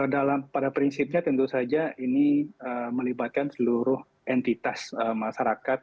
dalam pada prinsipnya tentu saja ini melibatkan seluruh entitas masyarakat